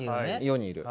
世にいる。